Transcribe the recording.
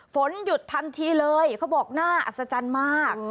ฝนหยุดทันทีเลยเขาบอกน่าอัศจรรย์มาก